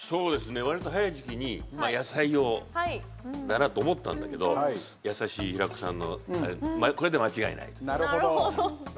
割と早い時期に野菜だなと思ったんだけど優しい平子さんのあれでこれで間違いないと。